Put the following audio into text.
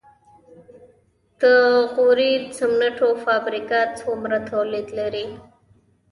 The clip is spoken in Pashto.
د غوري سمنټو فابریکه څومره تولید لري؟